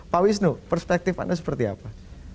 pak wisnu perspektif anda seperti apa